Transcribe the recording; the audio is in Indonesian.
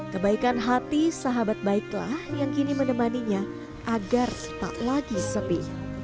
kebaikan hati sahabat baiklah yang kini menemaninya agar tak lagi sepi